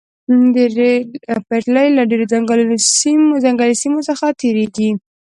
د ریل پټلۍ له ډیرو ځنګلي سیمو څخه تیریږي